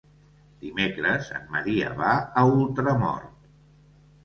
Dimecres en Maria va a Ultramort.